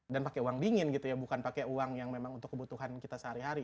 dan pakai uang dingin gitu ya bukan pakai uang yang memang untuk kebutuhan kita sehari hari